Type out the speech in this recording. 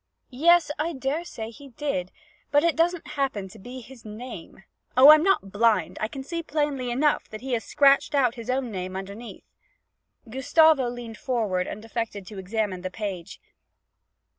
'Yes, I dare say he did but it doesn't happen to be his name. Oh, I'm not blind; I can see plainly enough that he has scratched out his own name underneath.' Gustavo leaned forward and affected to examine the page.